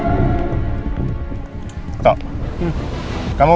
ini juga bisa hubungi makanan